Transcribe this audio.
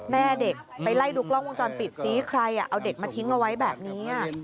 แม่เด็กไปไล่ดูกล้องวงจรปิดซิใครเอาเด็กมาทิ้งเอาไว้แบบนี้